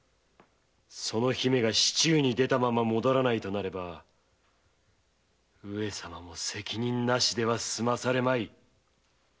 その姫が市中に出たまま戻らないとなれば上様も責任なしでは済まされまい。